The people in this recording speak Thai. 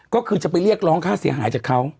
ก็คือจะไปเรียกร้องค่าเสียหายจากเขา